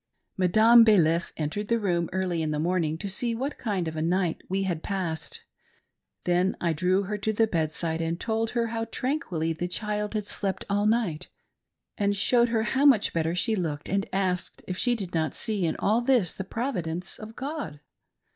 Madame Bailif entered the room early in the morning, to see what kind of a night we had passed. Then I drew her to the bedside, and told her how tranquilly the child had slept all night, and showed her how much better she looked, and asked her if she did not see in all this the providence of God.